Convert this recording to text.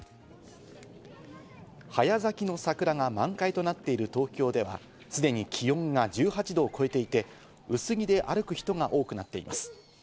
早咲きの桜が満開となっている東京では、すでに気温が１８度を超えていて、薄着で歩く人が多くなっています。